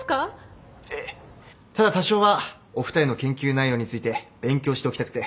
ただ多少はお二人の研究内容について勉強しておきたくて。